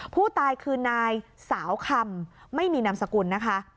ผู้ตายคือนายสาวคำไม่มีนามสกุลนะคะ